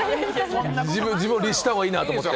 自分を律した方がいいなと思います。